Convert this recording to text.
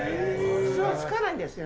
普通はつかないんですよ